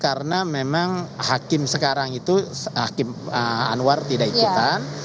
karena memang hakim sekarang itu hakim anwar tidak ikutan